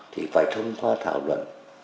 thì phải thông qua thảo luận